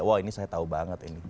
wah ini saya tahu banget ini